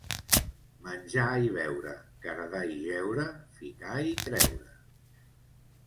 Menjar i beure, cardar i jeure, ficar i treure...